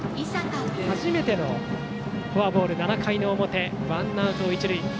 初めてのフォアボール７回の表、ワンアウト一塁。